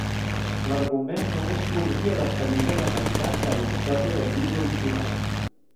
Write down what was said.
L'argument només cobria la primera meitat de la història del llibre original.